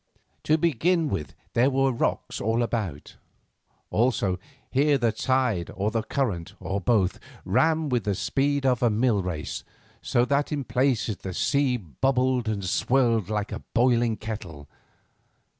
To begin with, there were rocks all about. Also, here the tide or the current, or both, ran with the speed of a mill race, so that in places the sea bubbled and swirled like a boiling kettle.